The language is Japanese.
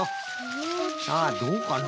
さあどうかな？